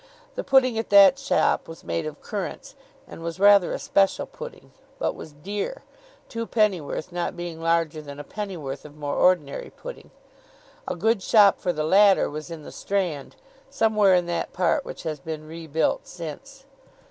The pudding at that shop was made of currants, and was rather a special pudding, but was dear, twopennyworth not being larger than a pennyworth of more ordinary pudding. A good shop for the latter was in the Strand somewhere in that part which has been rebuilt since.